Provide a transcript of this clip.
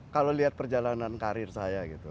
kalau lihat perjalanan karir saya gitu